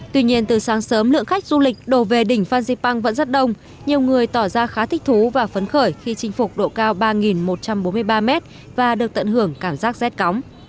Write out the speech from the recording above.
tuy nhiên từ sáng sớm lượng khách du lịch đổ về đỉnh phan xipang vẫn rất đông nhiều người tỏ ra khá thích thú và phấn khởi khi chinh phục độ cao ba một trăm bốn mươi ba m và được tận hưởng cảm giác rét cóng